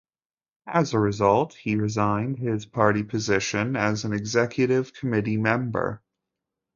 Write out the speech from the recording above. As a result, he resigned his party position as an executive committee member.